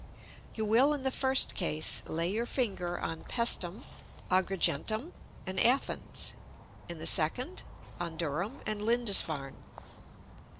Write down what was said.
You will, in the first case, lay your finger on Pæstum, Agrigentum, and Athens; in the second, on Durham and Lindisfarne.